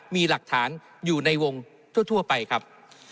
มีหลักฐานอยู่ในวงทั่วไปครับ